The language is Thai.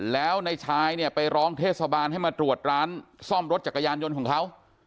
แล้วนายชายเนี่ยไปร้องเทศบาลให้มาตรวจร้านซ่อมรถจักรยานยนต์ของเขา